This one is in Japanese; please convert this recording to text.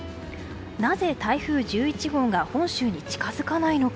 なぜ台風１１号が本州に近づかないのか。